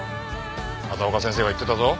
風丘先生が言ってたぞ。